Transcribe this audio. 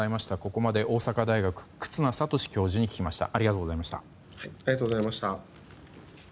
ここまで大阪大学の忽那賢志教授に聞きました。